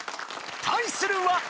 ［対するは］